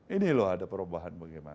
ini loh ada perubahan bagaimana